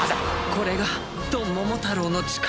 これがドンモモタロウの力。